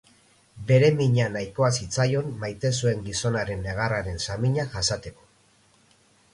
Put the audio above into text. Bere mina nahikoa zitzaion maite zuen gizonaren negarraren samina jasateko.